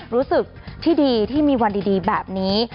รู้สึกที่ดีที่มีวันดีแบบนี้